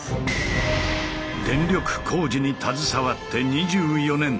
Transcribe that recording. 電力工事に携わって２４年。